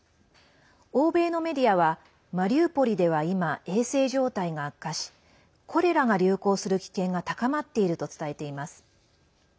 欧米のメディアはマリウポリでは今、衛生状態が悪化しコレラが流行する危険が高まっていると伝えています。